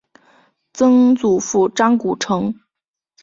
曾祖父张谷成。